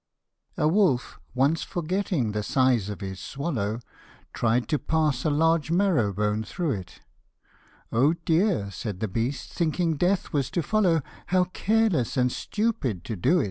A WOLF, once forgetting the size of his swallow, Tried to pass a large marrow bone through it. Oh dear!" said the beast, thinking death was to follow, " How careless and stupid to do it !" p. 61.